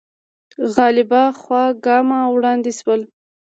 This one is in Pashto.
غالبه خوا ګام وړاندې شو